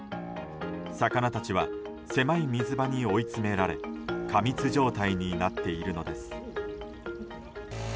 魚たちは狭い水場に追い詰められ過密状態になっているのです。